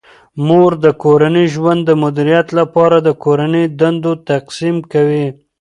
مور د کورني ژوند د مدیریت لپاره د کورني دندو تقسیم کوي.